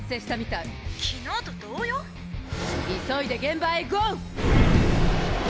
急いで現場へＧＯ！